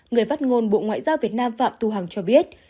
người phát ngôn bộ ngoại giao việt nam phạm thu hằng cho biết